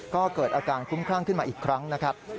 ก็เกิดอาการคุ้มครั่งขึ้นมาอีกครั้งนะครับ